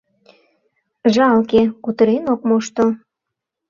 Жалке, кутырен ок мошто.